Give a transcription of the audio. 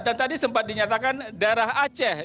dan tadi sempat dinyatakan daerah aceh